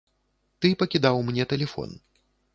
Ты пакідаў мне тэлефон.